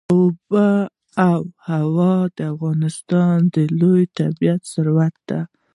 آب وهوا د افغانستان یو لوی طبعي ثروت دی.